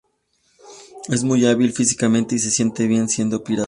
Es muy hábil físicamente y se siente bien siendo pirata.